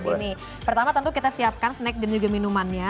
ini pertama tentu kita siapkan snack dan juga minumannya